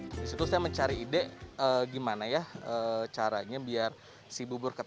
dari situ saya mencari ide gimana ya caranya biar si bubur ketat